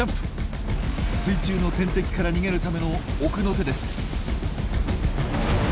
水中の天敵から逃げるための奥の手です。